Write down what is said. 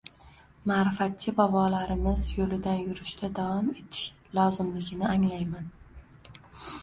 ma’rifatchi bobolarimiz yo‘lidan yurishda davom etish lozimligini anglayman.